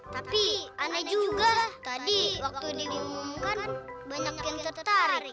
tapi aneh juga tadi waktu diumumkan banyak yang tertarik